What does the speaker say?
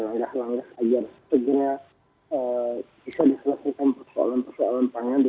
nanti seminggu yang akan datang akan ada penurunan permintaan